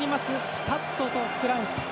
スタッド・ド・フランス。